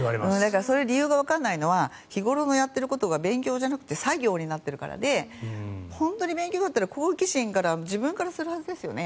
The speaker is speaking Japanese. その理由がわからないのは日頃のやっていることが勉強じゃなくて作業になっているから本当に勉強だったら、好奇心で自分からやるはずですよね。